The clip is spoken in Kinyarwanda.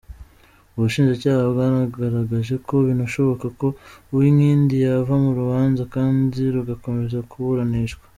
Ubushinjacyaha bwanagaragaje ko binashoboka ko Uwinkindi yava mu rubanza kandi rugakomeza kuburanishwa.